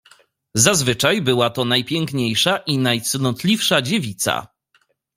"Zazwyczaj była to najpiękniejsza i najcnotliwsza dziewica."